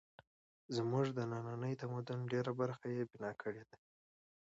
زموږ د ننني تمدن ډېرې برخې یې بنا کړې دي.